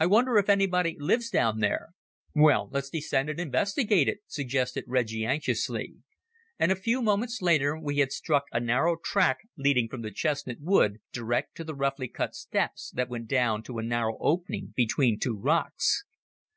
"I wonder if anybody lives down there." "Well, let's descend and investigate," suggested Reggie anxiously, and a few moments later we had struck a narrow track leading from the chestnut wood direct to the roughly cut steps that went down to a narrow opening between two rocks.